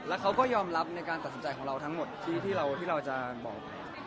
แล้วเขาก็ยอมรับในการตัดสินใจของเราทั้งหมดที่เราจะบอก